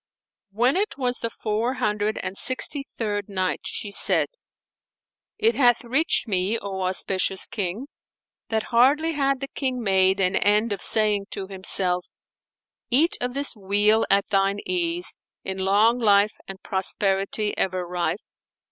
When it was the Four Hundred and Sixty third Night, She said, It hath reached me, O auspicious King, that hardly had the King made an end of saying to himself, "Eat of this weal at thine ease, in long life and prosperity ever rife!"